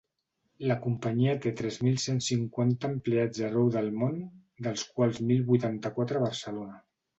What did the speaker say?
La companyia té tres mil cent cinquanta empleats arreu del món, dels quals mil vuitanta-quatre a Barcelona.